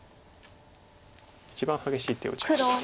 一番激しい手を打ちました。